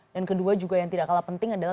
dan kedua juga yang tidak kalah penting adalah